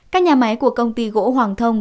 các nhà máy của công ty gỗ hoàng thông